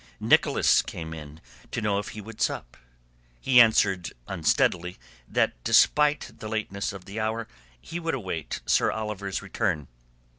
Nicholas came in to know if he would sup. He answered unsteadily that despite the lateness of the hour he would await Sir Oliver's return.